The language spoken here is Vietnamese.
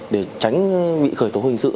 để tránh bị khởi tố hình sự